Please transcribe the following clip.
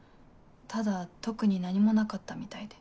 ただ特に何もなかったみたいで。